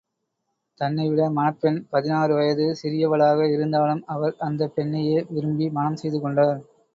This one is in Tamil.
தன்னை விட மணப்பெண் பதினாறு வயது சிறியவளாக இருந்தாலும், அவர் அந்தப் பெண்ணையே விரும்பி மணம் செய்து கொண்டார்!